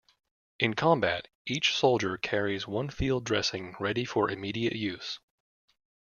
In combat, each soldier carries one field dressing ready for immediate use.